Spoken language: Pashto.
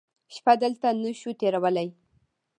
شپه دلته نه شو تېرولی.